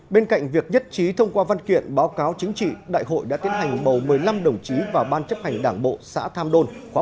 bên cạnh việc nhất trí thông qua văn kiện báo cáo chính trị đại hội đã tiến hành bầu một mươi năm đồng chí vào ban chấp hành đảng bộ xã tham đôn khóa một mươi